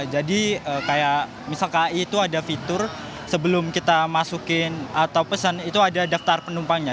jadi kayak misal kai itu ada fitur sebelum kita masukin atau pesan itu ada daftar penumpangnya